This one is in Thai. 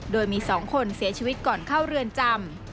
โดยมี๒คนเสียชีวิตก่อนเข้าเรือนจำ